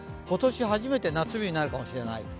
今年初めて夏日になるかもしれない。